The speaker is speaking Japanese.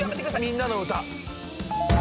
みんなのうた。